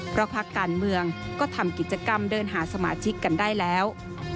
เพราะภาคการเมืองก็ทำกิจกรรมเดินหาสมาชิกกันได้แล้ว